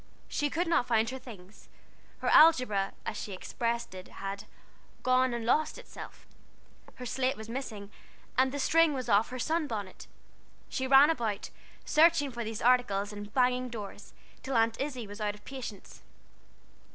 She could not find her things. Her algebra, as she expressed it, had "gone and lost itself," her slate was missing, and the string was off her sun bonnet. She ran about, searching for these articles and banging doors, till Aunt Izzie was out of patience.